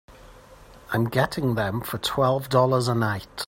I'm getting them for twelve dollars a night.